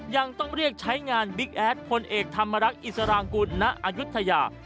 ยังต้องเรียกใช้งานบิ๊กแอดพลเอกธรรมรักษ์อิสรางกุลณอายุทยา